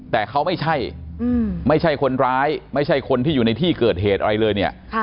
แต่เขาไม่ใช่ไม่ใช่คนร้ายไม่ใช่คนที่อยู่ในที่เกิดเหตุอะไรเลยเนี่ย